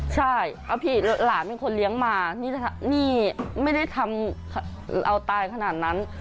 ใช่พี่หลานเป็นคนเลี้ยงมานี่ไม่ได้ทำเราตายขนาดนั้น